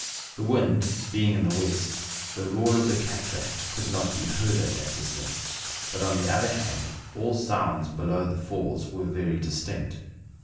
The wind being in the west, the roar of the cataract could not be heard at that distance, but on the other hand, all sounds below the falls were very distinct.